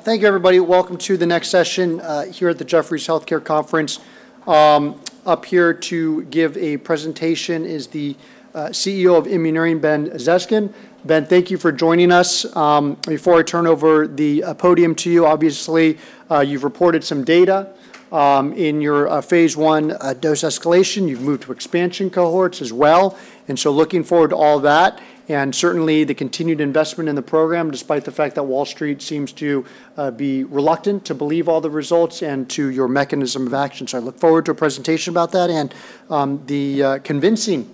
Thank you, everybody. Welcome to the next session here at the Jefferies Healthcare Conference. Up here to give a presentation is the CEO of Immuneering, Ben Zeskind. Ben, thank you for joining us. Before I turn over the podium to you, obviously, you've reported some data in your Phase 1 dose escalation. You've moved to expansion cohorts as well, and so looking forward to all that, and certainly the continued investment in the program, despite the fact that Wall Street seems to be reluctant to believe all the results and to your mechanism of action. So I look forward to a presentation about that and the convincing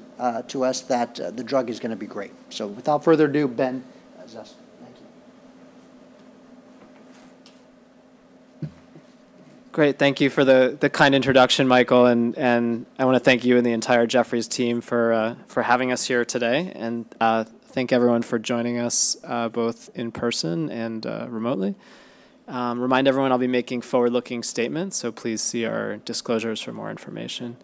to us that the drug is gonna be great. So without further ado, Ben Zeskind. Thank you. Great. Thank you for the kind introduction, Michael, and I wanna thank you and the entire Jefferies team for having us here today, and thank everyone for joining us both in person and remotely. Remind everyone I'll be making forward-looking statements, so please see our disclosures for more information.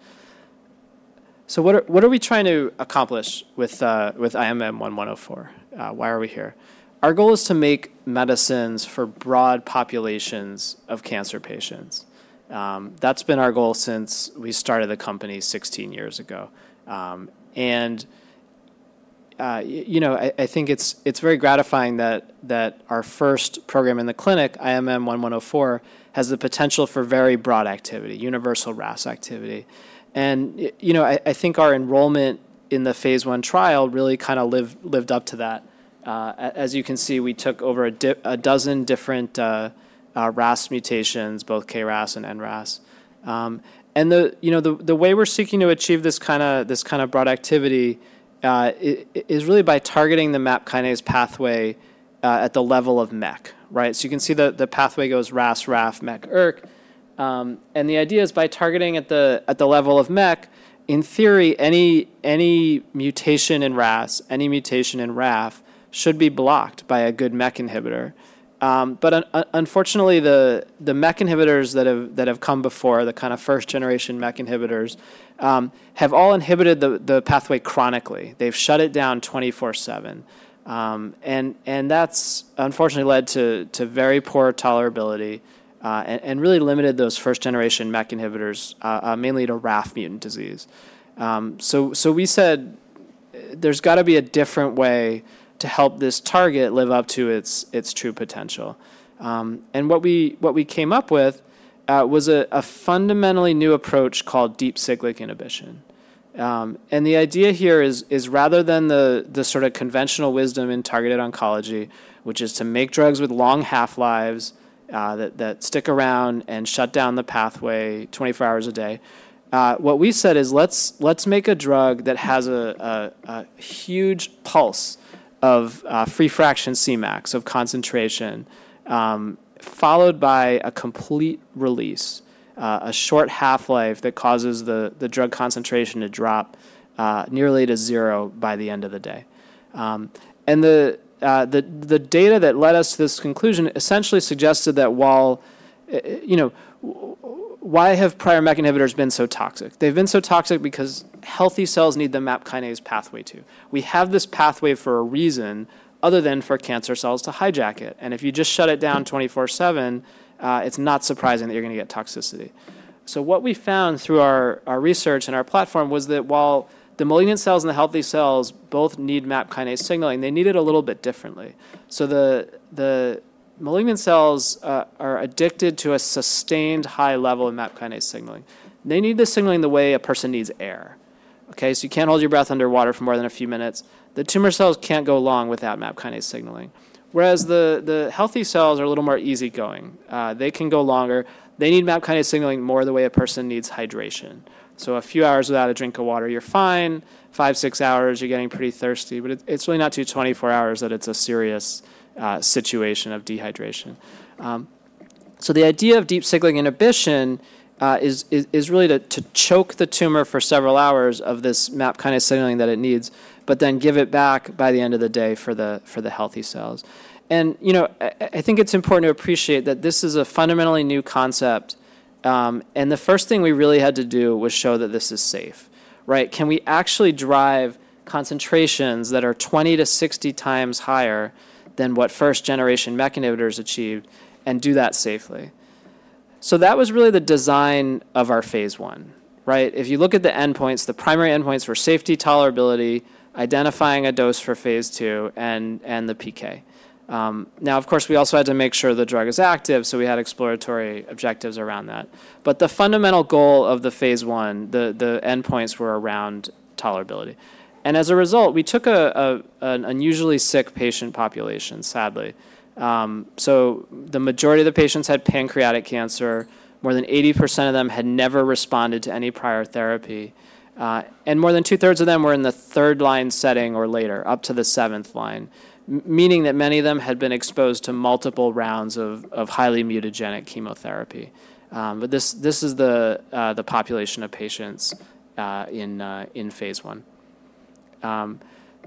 So what are we trying to accomplish with IMM-1-104? Why are we here? Our goal is to make medicines for broad populations of cancer patients. That's been our goal since we started the company 16 years ago. And you know, I think it's very gratifying that our first program in the clinic, IMM-1-104, has the potential for very broad activity, universal RAS activity. And you know, I think our enrollment in the phase I trial really kinda lived up to that. As you can see, we took over a dozen different RAS mutations, both KRAS and NRAS. And you know, the way we're seeking to achieve this kinda, this kind of broad activity is really by targeting the MAP kinase pathway at the level of MEK, right? So you can see the pathway goes RAS, RAF, MEK, ERK. And the idea is by targeting at the level of MEK, in theory, any mutation in RAS, any mutation in RAF, should be blocked by a good MEK inhibitor. But unfortunately, the MEK inhibitors that have come before, the kinda first-generation MEK inhibitors, have all inhibited the pathway chronically. They've shut it down 24/7. And that's unfortunately led to very poor tolerability, and really limited those first-generation MEK inhibitors mainly to RAF mutant disease. So we said, "There's gotta be a different way to help this target live up to its true potential." And what we came up with was a fundamentally new approach called Deep Cyclic Inhibition. And the idea here is rather than the sorta conventional wisdom in targeted oncology, which is to make drugs with long half-lives that stick around and shut down the pathway 24 hours a day, what we said is, "Let's make a drug that has a huge pulse of free fraction Cmax of concentration, followed by a complete release, a short half-life that causes the drug concentration to drop nearly to zero by the end of the day." And the data that led us to this conclusion essentially suggested that. Why have prior MEK inhibitors been so toxic? They've been so toxic because healthy cells need the MAP kinase pathway, too. We have this pathway for a reason other than for cancer cells to hijack it, and if you just shut it down 24/7, it's not surprising that you're gonna get toxicity. So what we found through our research and our platform was that while the malignant cells and the healthy cells both need MAP kinase signaling, they need it a little bit differently. So the malignant cells are addicted to a sustained high level of MAP kinase signaling. They need the signaling the way a person needs air, okay? So you can't hold your breath underwater for more than a few minutes. The tumor cells can't go long without MAP kinase signaling, whereas the healthy cells are a little more easygoing. They can go longer. They need MAP kinase signaling more the way a person needs hydration. So a few hours without a drink of water, you're fine. 5, 6 hours, you're getting pretty thirsty, but it, it's really not till 24 hours that it's a serious situation of dehydration. So the idea of Deep Cyclic Inhibition is really to choke the tumor for several hours of this MAP kinase signaling that it needs, but then give it back by the end of the day for the healthy cells. And, you know, I think it's important to appreciate that this is a fundamentally new concept, and the first thing we really had to do was show that this is safe, right? Can we actually drive concentrations that are 20-60 times higher than what first-generation MEK inhibitors achieved, and do that safely? So that was really the design of our Phase 1, right? If you look at the endpoints, the primary endpoints were safety, tolerability, identifying a dose for Phase 2, and the PK. Now, of course, we also had to make sure the drug is active, so we had exploratory objectives around that. But the fundamental goal of the Phase 1, the endpoints were around tolerability. And as a result, we took an unusually sick patient population, sadly. So the majority of the patients had pancreatic cancer. More than 80% of them had never responded to any prior therapy, and more than two-thirds of them were in the third-line setting or later, up to the seventh line, meaning that many of them had been exposed to multiple rounds of highly mutagenic chemotherapy. But this is the population of patients in Phase 1.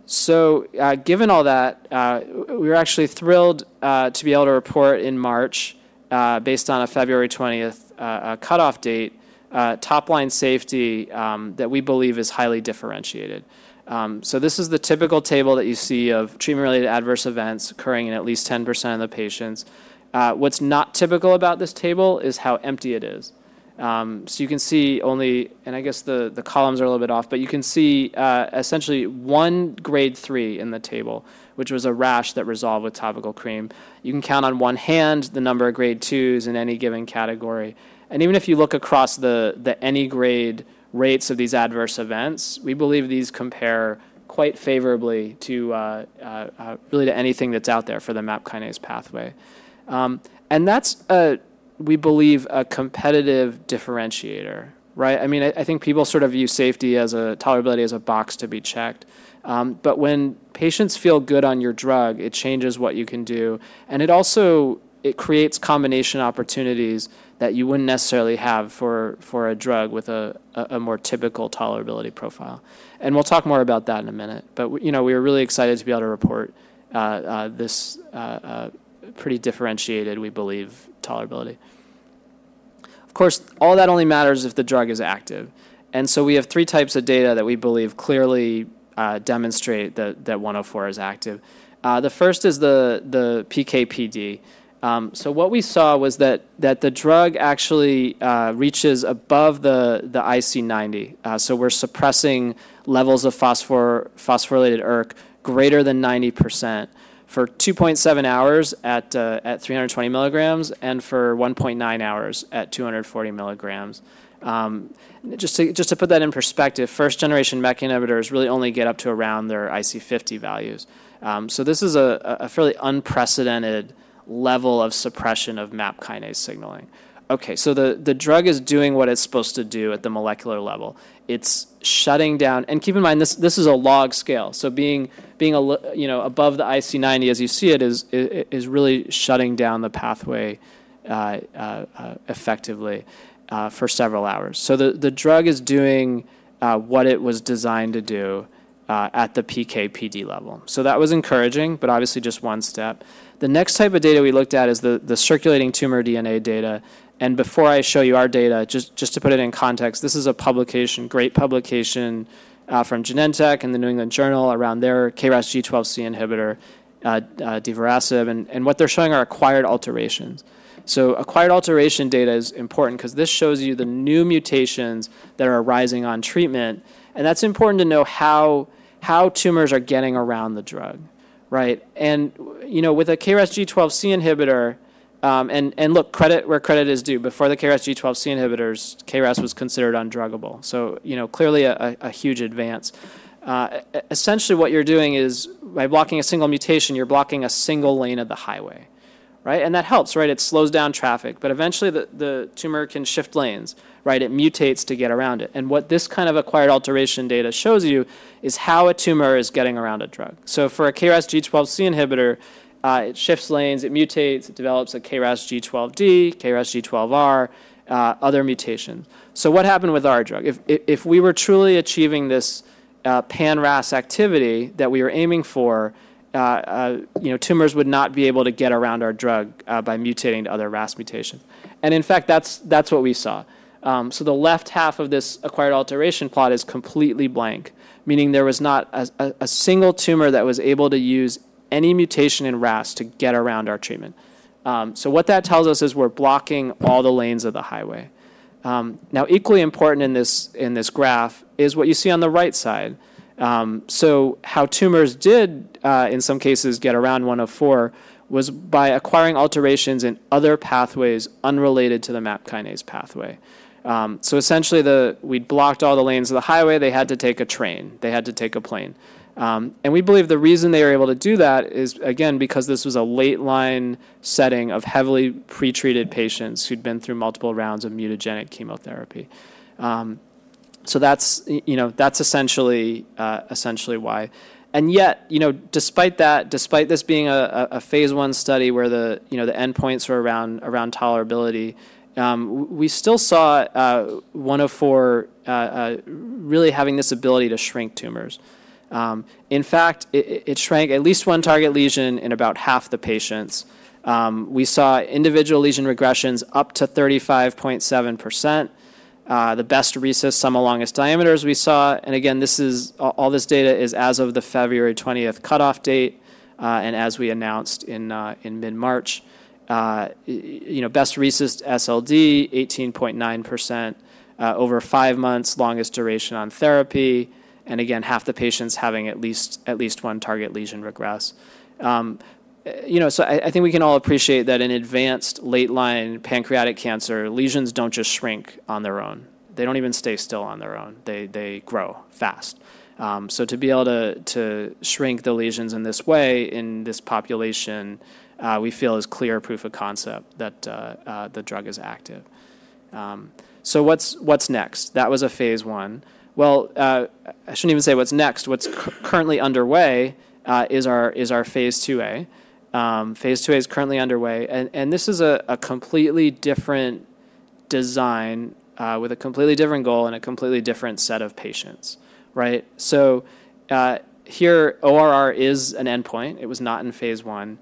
So, given all that, we were actually thrilled to be able to report in March, based on a February 20th cutoff date, top-line safety that we believe is highly differentiated. So this is the typical table that you see of treatment-related adverse events occurring in at least 10% of the patients. What's not typical about this table is how empty it is. So you can see only, and I guess the columns are a little bit off, but you can see essentially one grade three in the table, which was a rash that resolved with topical cream. You can count on one hand the number of grade twos in any given category. Even if you look across the any grade rates of these adverse events, we believe these compare quite favorably to really to anything that's out there for the MAP kinase pathway. And that's a, we believe, a competitive differentiator, right? I mean, I think people sort of view safety as a tolerability, as a box to be checked. But when patients feel good on your drug, it changes what you can do, and it also it creates combination opportunities that you wouldn't necessarily have for a drug with a more typical tolerability profile. And we'll talk more about that in a minute. But you know, we are really excited to be able to report this pretty differentiated, we believe, tolerability. Of course, all that only matters if the drug is active, and so we have three types of data that we believe clearly demonstrate that 104 is active. The first is the PK/PD. So what we saw was that the drug actually reaches above the IC90. So we're suppressing levels of phosphorylated ERK greater than 90% for 2.7 hours at 320 milligrams, and for 1.9 hours at 240 milligrams. Just to put that in perspective, first-generation MEK inhibitors really only get up to around their IC50 values. So this is a fairly unprecedented level of suppression of MAP kinase signaling. Okay, so the drug is doing what it's supposed to do at the molecular level. It's shutting down... And keep in mind, this, this is a log scale, so being, being a little, you know, above the IC90, as you see it, is, is really shutting down the pathway effectively for several hours. So the, the drug is doing what it was designed to do at the PK/PD level. So that was encouraging, but obviously just one step. The next type of data we looked at is the, the circulating tumor DNA data, and before I show you our data, just, just to put it in context, this is a publication, great publication, from Genentech and the New England Journal around their KRAS G12C inhibitor, divarasib, and, and what they're showing are acquired alterations. So acquired alteration data is important 'cause this shows you the new mutations that are arising on treatment, and that's important to know how tumors are getting around the drug, right? And, you know, with a KRAS G12C inhibitor... And look, credit where credit is due, before the KRAS G12C inhibitors, KRAS was considered undruggable, so, you know, clearly a huge advance. Essentially, what you're doing is by blocking a single mutation, you're blocking a single lane of the highway, right? And that helps, right? It slows down traffic, but eventually, the tumor can shift lanes, right? It mutates to get around it, and what this kind of acquired alteration data shows you is how a tumor is getting around a drug. So for a KRAS G12C inhibitor, it shifts lanes, it mutates, it develops a KRAS G12D, KRAS G12R, other mutation. So what happened with our drug? If we were truly achieving this, pan-RAS activity that we were aiming for, you know, tumors would not be able to get around our drug, by mutating to other RAS mutations. And in fact, that's what we saw. So the left half of this acquired alteration plot is completely blank, meaning there was not a single tumor that was able to use any mutation in RAS to get around our treatment. So what that tells us is we're blocking all the lanes of the highway. Now, equally important in this graph is what you see on the right side. So how tumors did, in some cases, get around 104, was by acquiring alterations in other pathways unrelated to the MAP kinase pathway. So essentially, we'd blocked all the lanes of the highway. They had to take a train. They had to take a plane. And we believe the reason they were able to do that is, again, because this was a late-line setting of heavily pretreated patients who'd been through multiple rounds of mutagenic chemotherapy. So that's, you know, that's essentially, essentially why. And yet, you know, despite that, despite this being a Phase 1 study where the, you know, the endpoints were around, around tolerability, we still saw, 104 really having this ability to shrink tumors. In fact, it shrank at least one target lesion in about half the patients. We saw individual lesion regressions up to 35.7%. The best RECIST sum of longest diameters we saw, and again, this is... all this data is as of the February twentieth cutoff date, and as we announced in, in mid-March, you know, best RECIST SLD, 18.9%, over 5 months, longest duration on therapy, and again, half the patients having at least one target lesion regress. You know, so I think we can all appreciate that in advanced, late-line pancreatic cancer, lesions don't just shrink on their own. They don't even stay still on their own. They grow fast. So to be able to, to shrink the lesions in this way, in this population, we feel is clear proof of concept that the drug is active. So what's, what's next? That was a Phase 1. Well, I shouldn't even say what's next. What's currently underway is our, is our phase 2a. Phase 2a is currently underway, and, and this is a, a completely different design with a completely different goal and a completely different set of patients, right? So, here, ORR is an endpoint. It was not in Phase 1.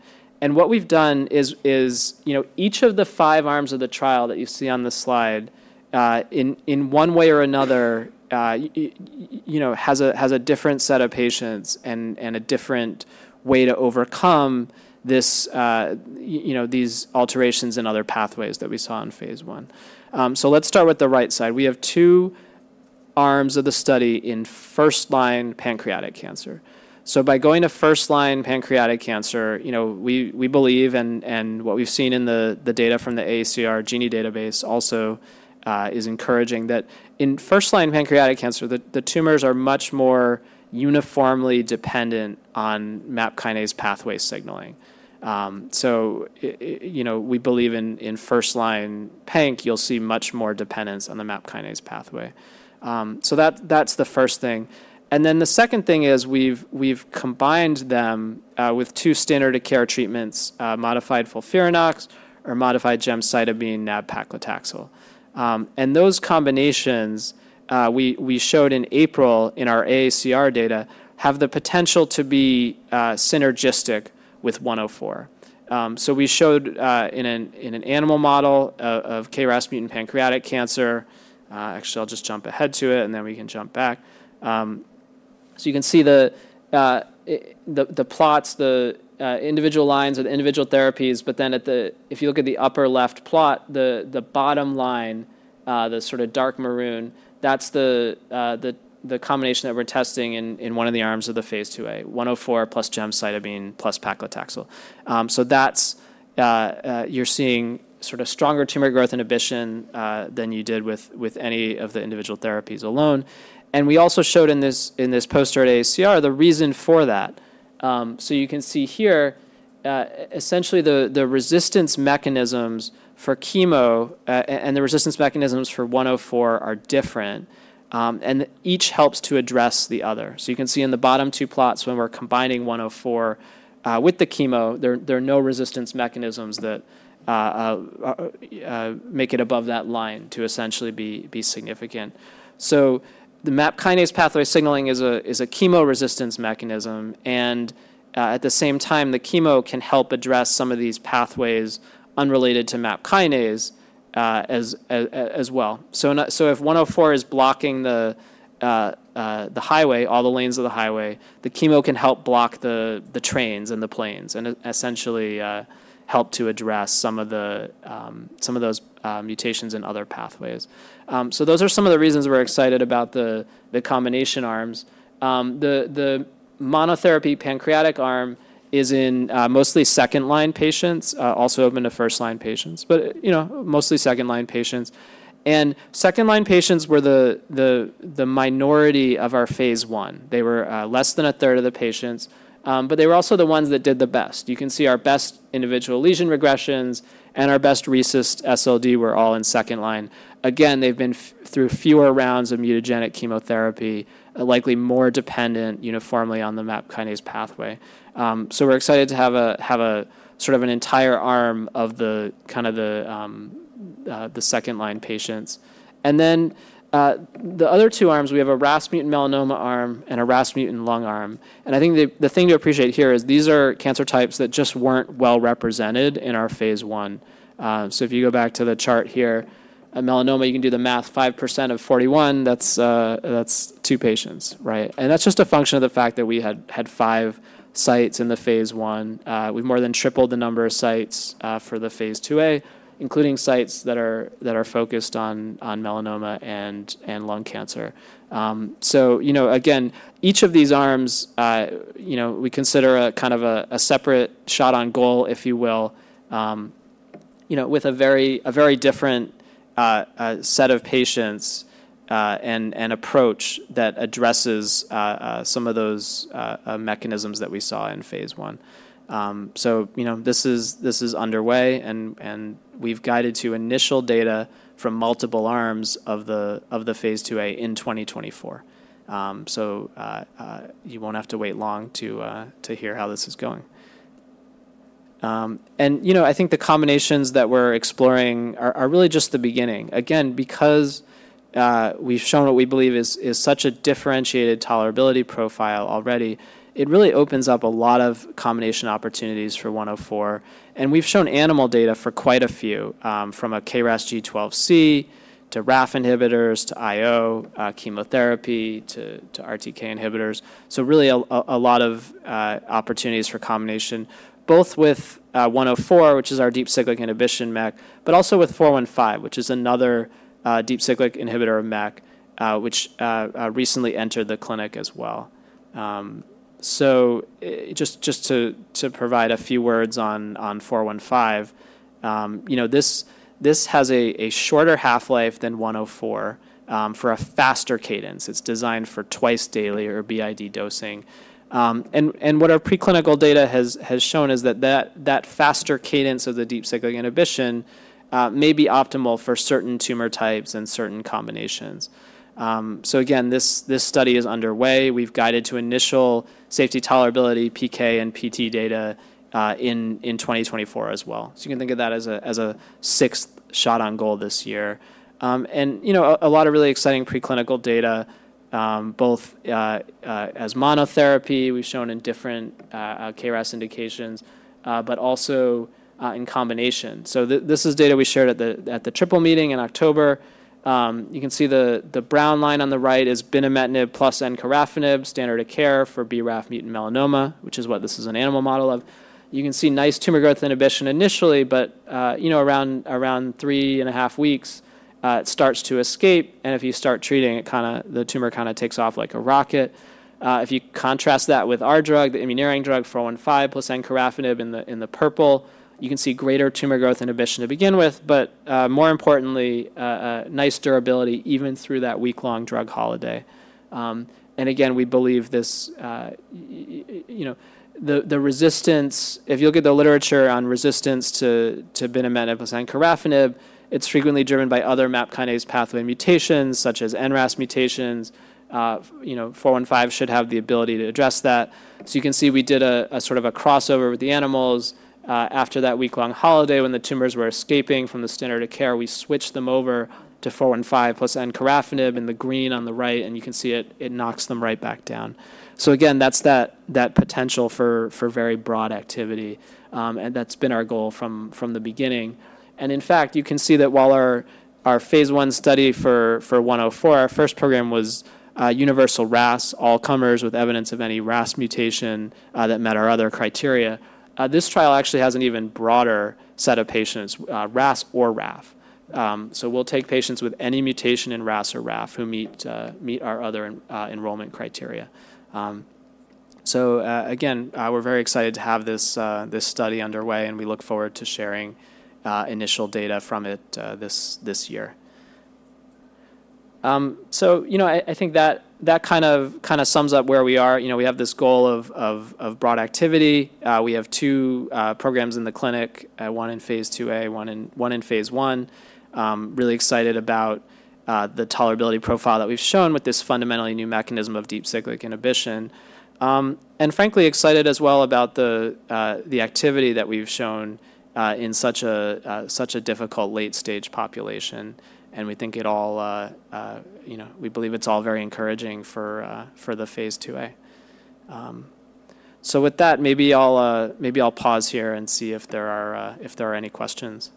What we've done is, you know, each of the five arms of the trial that you see on this slide, in one way or another, you know, has a different set of patients and a different way to overcome this, you know, these alterations in other pathways that we saw in Phase 1. Let's start with the right side. We have two arms of the study in first-line pancreatic cancer. By going to first-line pancreatic cancer, you know, we believe, and what we've seen in the data from the AACR GENIE database also is encouraging, that in first-line pancreatic cancer, the tumors are much more uniformly dependent on MAP kinase pathway signaling. So, you know, we believe in first-line panc, you'll see much more dependence on the MAP kinase pathway. So that, that's the first thing. And then the second thing is, we've combined them with 2 standard of care treatments, modified FOLFIRINOX or modified gemcitabine nab-paclitaxel. And those combinations, we showed in April in our AACR data, have the potential to be synergistic with 104. So we showed in an animal model of KRAS mutant pancreatic cancer. Actually, I'll just jump ahead to it, and then we can jump back. So you can see the plots, the individual lines of the individual therapies, but then if you look at the upper left plot, the bottom line, the sort of dark maroon, that's the combination that we're testing in one of the arms of the Phase 2a, 104 plus gemcitabine plus paclitaxel. So that's... You're seeing sort of stronger tumor growth inhibition than you did with any of the individual therapies alone. And we also showed in this poster at AACR, the reason for that. So you can see here, essentially, the resistance mechanisms for chemo and the resistance mechanisms for 104 are different, and each helps to address the other. So you can see in the bottom two plots, when we're combining 104 with the chemo, there are no resistance mechanisms that make it above that line to essentially be significant. So the MAP kinase pathway signaling is a chemo resistance mechanism, and at the same time, the chemo can help address some of these pathways unrelated to MAP kinase as well. So if 104 is blocking the highway, all the lanes of the highway, the chemo can help block the trains and the planes, and essentially help to address some of those mutations and other pathways. So those are some of the reasons we're excited about the combination arms. The monotherapy pancreatic arm is in mostly second-line patients, also open to first-line patients, but you know, mostly second-line patients. And second-line patients were the minority of our Phase 1. They were less than a third of the patients, but they were also the ones that did the best. You can see our best individual lesion regressions and our best RECIST SLD were all in second line. Again, they've been through fewer rounds of mutagenic chemotherapy, likely more dependent uniformly on the MAP kinase pathway. So we're excited to have a sort of an entire arm of the kind of the second-line patients. And then, the other two arms, we have a RAS mutant melanoma arm and a RAS mutant lung arm. I think the thing to appreciate here is these are cancer types that just weren't well represented in our Phase 1. So if you go back to the chart here, on melanoma, you can do the math, 5% of 41, that's two patients, right? And that's just a function of the fact that we had five sites in the Phase 1. We've more than tripled the number of sites for the Phase 2a, including sites that are focused on melanoma and lung cancer. You know, again, each of these arms, you know, we consider a kind of a separate shot on goal, if you will, you know, with a very different set of patients and approach that addresses some of those mechanisms that we saw in Phase 1. This is underway, and we've guided to initial data from multiple arms of the Phase 2a in 2024. You won't have to wait long to hear how this is going. You know, I think the combinations that we're exploring are really just the beginning. Again, because we've shown what we believe is such a differentiated tolerability profile already, it really opens up a lot of combination opportunities for 104, and we've shown animal data for quite a few from a KRAS G12C to RAF inhibitors to IO chemotherapy to RTK inhibitors. So really a lot of opportunities for combination both with 104, which is our Deep Cyclic Inhibition MEK, but also with 415, which is another deep cyclic inhibitor of MEK which recently entered the clinic as well. So just to provide a few words on 415, you know, this has a shorter half-life than 104 for a faster cadence. It's designed for twice daily or BID dosing. And what our preclinical data has shown is that faster cadence of the Deep Cyclic Inhibition may be optimal for certain tumor types and certain combinations. So again, this study is underway. We've guided to initial safety tolerability, PK and PD data in 2024 as well. So you can think of that as a sixth shot on goal this year. You know, a lot of really exciting preclinical data both as monotherapy, we've shown in different KRAS indications, but also in combination. So this is data we shared at the Triple Meeting in October. You can see the brown line on the right is binimetinib plus encorafenib, standard of care for BRAF mutant melanoma, which is what this is an animal model of. You can see nice tumor growth inhibition initially, but, you know, around three and a half weeks, it starts to escape, and if you start treating, it kinda, the tumor kind of takes off like a rocket. If you contrast that with our drug, the Immuneering drug 415 plus encorafenib in the purple, you can see greater tumor growth inhibition to begin with, but, more importantly, nice durability even through that week-long drug holiday. And again, we believe this, you know, the resistance. If you look at the literature on resistance to binimetinib plus encorafenib, it's frequently driven by other MAP kinase pathway mutations, such as NRAS mutations. You know, 415 should have the ability to address that. So you can see we did a sort of a crossover with the animals. After that week-long holiday, when the tumors were escaping from the standard of care, we switched them over to 415 plus encorafenib in the green on the right, and you can see it knocks them right back down. So again, that's that potential for very broad activity. And that's been our goal from the beginning. In fact, you can see that while our Phase 1 study for 104, our first program was universal RAS, all comers with evidence of any RAS mutation that met our other criteria. This trial actually has an even broader set of patients, RAS or RAF. So we'll take patients with any mutation in RAS or RAF who meet our other enrollment criteria. So again, we're very excited to have this study underway, and we look forward to sharing initial data from it this year. So you know, I think that kind of sums up where we are. You know, we have this goal of broad activity. We have two programs in the clinic, one in Phase 2a, one in Phase 1. Really excited about the tolerability profile that we've shown with this fundamentally new mechanism of Deep Cyclic Inhibition. Frankly, excited as well about the activity that we've shown in such a difficult late-stage population, and we think... you know, we believe it's all very encouraging for the Phase 2a. With that, maybe I'll pause here and see if there are any questions.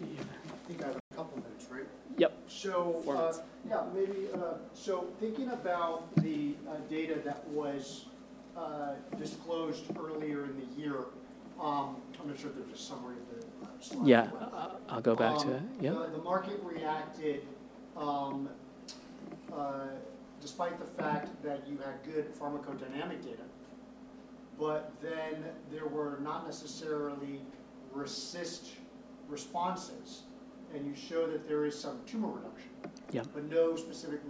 I think I have a couple of minutes, right? Yep. So, uh- Four minutes. Yeah, maybe. So thinking about the data that was disclosed earlier in the year, I'm not sure if there's a summary of the slide. Yeah. I'll go back to it. Yeah. The market reacted, despite the fact that you had good pharmacodynamic data, but then there were not necessarily RECIST responses, and you show that there is some tumor reduction- Yeah... but no specific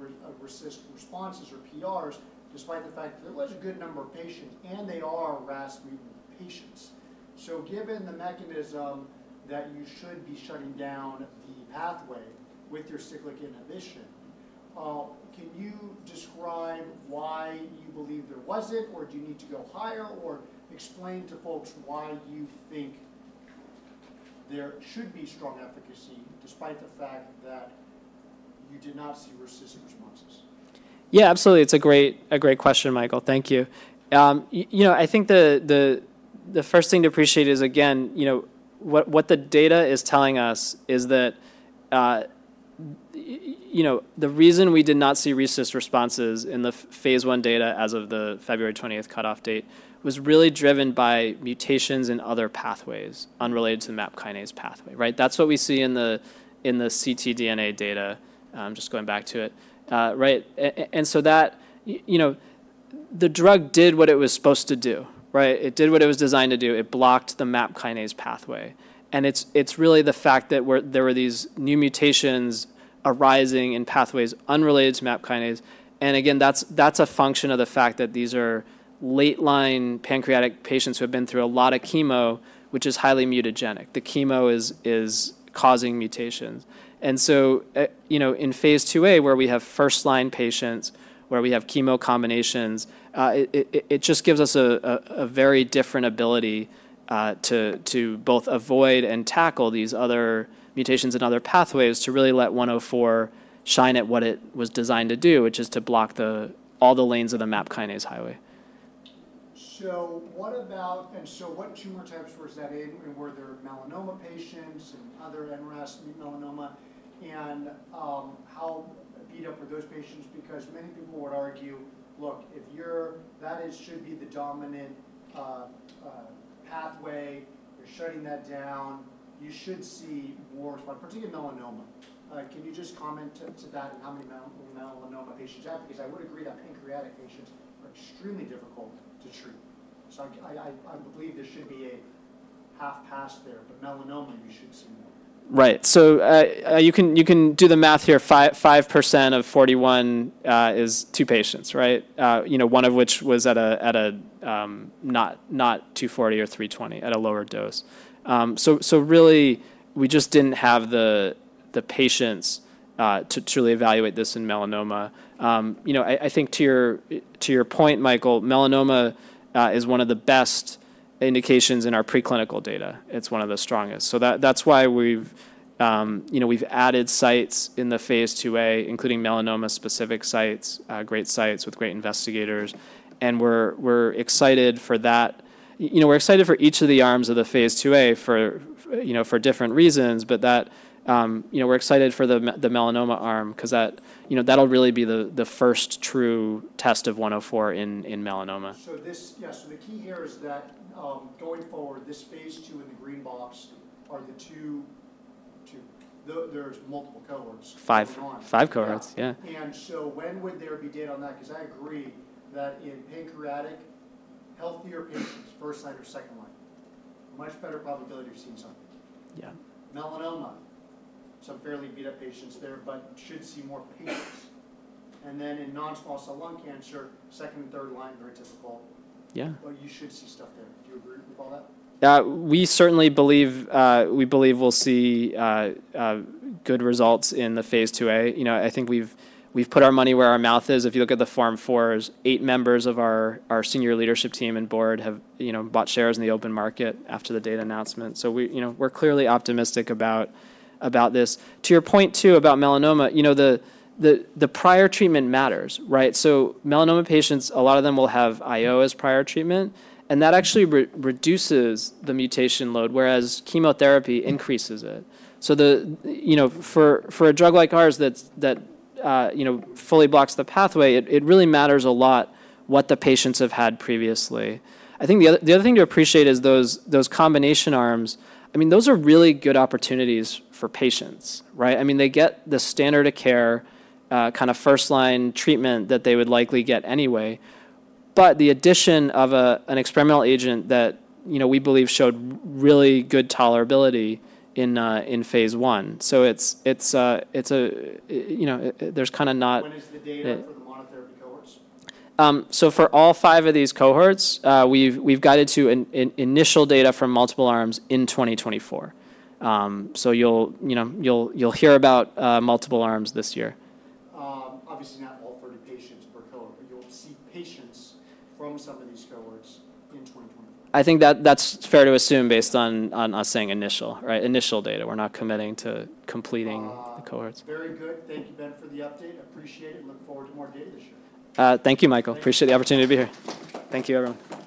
RECIST responses or PRs, despite the fact that there was a good number of patients, and they are RAS mutant patients. So given the mechanism that you should be shutting down the pathway with your cyclic inhibition, can you describe why you believe there wasn't, or do you need to go higher? Or explain to folks why you think there should be strong efficacy despite the fact that you did not see RECIST responses. Yeah, absolutely. It's a great question, Michael. Thank you. You know, I think the first thing to appreciate is, again, you know, what the data is telling us is that, you know, the reason we did not see RECIST responses in the Phase 1 data as of the February 20 cutoff date, was really driven by mutations in other pathways unrelated to the MAP kinase pathway, right? That's what we see in the ctDNA data. Just going back to it. Right. And so that, you know, the drug did what it was supposed to do, right? It did what it was designed to do. It blocked the MAP kinase pathway. And it's really the fact that there were these new mutations arising in pathways unrelated to MAP kinase. Again, that's a function of the fact that these are late-line pancreatic patients who have been through a lot of chemo, which is highly mutagenic. The chemo is causing mutations. So, you know, in Phase 2a, where we have first-line patients, where we have chemo combinations, it just gives us a very different ability to both avoid and tackle these other mutations in other pathways to really let 104 shine at what it was designed to do, which is to block all the lanes of the MAP kinase highway. And so what tumor types was that in, and were there melanoma patients and other NRAS mutant melanoma? And how beat up were those patients? Because many people would argue, look, if that it should be the dominant pathway, you're shutting that down, you should see more, particularly in melanoma. Can you just comment to that and how many melanoma patients you have? Because I would agree that pancreatic patients are extremely difficult to treat. So I believe there should be a half pass there, but melanoma, you should see more. Right. So, you can, you can do the math here. 5.5% of 41 is 2 patients, right? You know, one of which was at a, at a, not, not 240 or 320, at a lower dose. So, so really, we just didn't have the, the patients to truly evaluate this in melanoma. You know, I, I think to your, to your point, Michael, melanoma is one of the best indications in our preclinical data. It's one of the strongest. So that- that's why we've, you know, we've added sites in the Phase 2a, including melanoma-specific sites, great sites with great investigators, and we're, we're excited for that. You know, we're excited for each of the arms of the hase II A for, you know, for different reasons, but that, you know, we're excited for the melanoma arm 'cause that, you know, that'll really be the first true test of 104 in melanoma. Yeah, so the key here is that, going forward, this Phase 2 in the green box are the 2. Though there's multiple cohorts. 5, 5 cohorts, yeah. Yeah. And so when would there be data on that? 'Cause I agree that in pancreatic, healthier patients, first line or second line, much better probability of seeing something. Yeah. Melanoma, some fairly beat-up patients there, but should see more patients. And then in non-small cell lung cancer, second and third line, very difficult. Yeah. But you should see stuff there. Do you agree with all that? We certainly believe, we believe we'll see good results in the Phase 2a. You know, I think we've put our money where our mouth is. If you look at the Form 4, eight members of our senior leadership team and board have, you know, bought shares in the open market after the data announcement. So, you know, we're clearly optimistic about this. To your point, too, about melanoma, you know, the prior treatment matters, right? So melanoma patients, a lot of them will have IO as prior treatment, and that actually reduces the mutation load, whereas chemotherapy increases it. So, you know, for a drug like ours, that's, you know, fully blocks the pathway, it really matters a lot what the patients have had previously. I think the other thing to appreciate is those combination arms. I mean, those are really good opportunities for patients, right? I mean, they get the standard of care kind of first-line treatment that they would likely get anyway. But the addition of an experimental agent that, you know, we believe showed really good tolerability in phase I. So it's you know, there's kind of not- When is the data for the monotherapy cohorts? So for all 5 of these cohorts, we've guided to initial data from multiple arms in 2024. So you'll, you know, hear about multiple arms this year. Obviously, not all 30 patients per cohort, but you'll see patients from some of these cohorts in 2024. I think that's fair to assume based on us saying initial, right? Initial data. We're not committing to completing the cohorts. Very good. Thank you, Ben, for the update. Appreciate it. Look forward to more data this year. Thank you, Michael. Appreciate the opportunity to be here. Thank you, everyone.